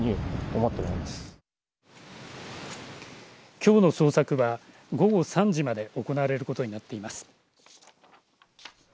きょうの捜索は午後３時まで行われることになっています。